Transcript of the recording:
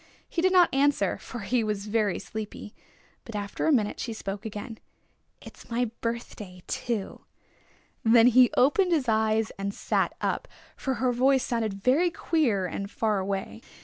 He did not answer, for he was very sleepy. But after a minute she spoke again. "It's my birthday too!" Then he opened his eyes and sat up, for her voice sounded very queer and far away.